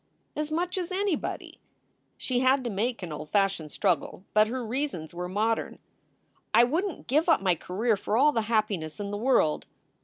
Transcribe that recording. "As much as anybody." She had to make an old fashioned struggle, but her reasons were modern: "I wouldn t give up my career for all the happiness in the world."